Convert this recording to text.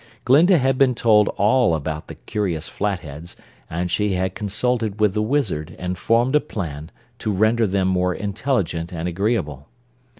Glinda had been told all about the curious Flatheads and she had consulted with the Wizard and formed a plan to render them more intelligent and agreeable.